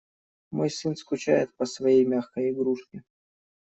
Мой сын скучает по своей мягкой игрушке.